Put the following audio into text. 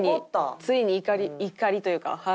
ついに怒りというかはい。